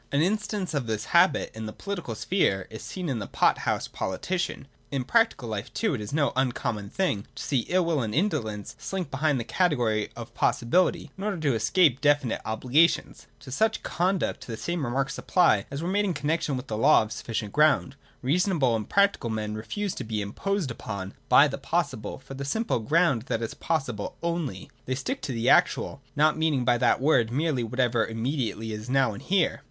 An instance of this habit in the political sphere is seen in the pot house politician. In prac tical life too it is no uncommon thing to see ill will and indolence slink behind the category of possibility, in order to escape definite obligations. To such conduct the same remarks apply as were made in connexion with the law 262 THE DOCTRINE OF ESSENCE. [143, i44 of sufficient ground. Reasonable and practical men refuse to be imposed upon by the possible, for the simple ground that it is possible only. They stick to the actual (not mean ing by that word merely whatever immediately is now and here).